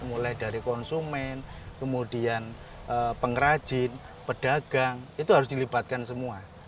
mulai dari konsumen kemudian pengrajin pedagang itu harus dilibatkan semua